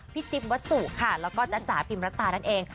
จิ๊บวัสสุค่ะแล้วก็จ๊ะจ๋าพิมรัตานั่นเอง